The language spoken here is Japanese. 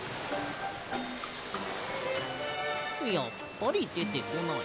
やっぱりでてこない。